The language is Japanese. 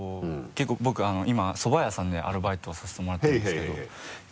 僕今そば屋さんでアルバイトさせてもらってるんですけど。